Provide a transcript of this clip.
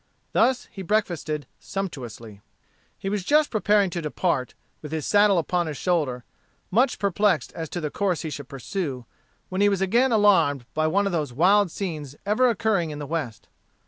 Thus he breakfasted sumptuously. He was just preparing to depart, with his saddle upon his shoulder, much perplexed as to the course he should pursue, when he was again alarmed by one of those wild scenes ever occurring in the West.